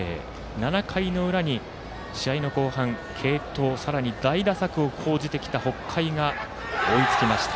７回の裏に、試合の後半、継投さらに代打策を講じてきた北海が追いつきました。